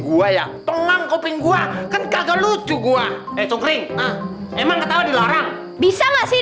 gua yang pengang kopi gua kan kagak lucu gua eh cukring emang ketawa dilarang bisa enggak sih